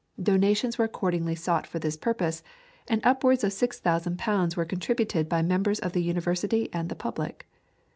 Donations were accordingly sought for this purpose, and upwards of 6,000 pounds were contributed by members of the University and the public.